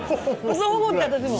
そう思った、私も。